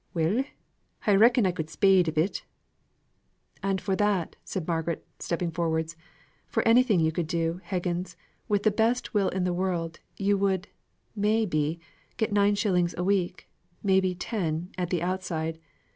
"Well, I reckon I could spade a bit " "And for that," said Margaret, stepping forwards, "for anything you could do, Higgins, with the best will in the world, you would, may be, get nine shillings a week; may be ten, at the outside.